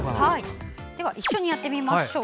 一緒にやってみましょう！